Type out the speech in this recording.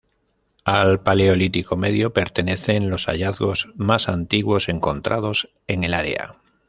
Al Paleolítico medio pertenecen los hallazgos más antiguos encontrados en el área.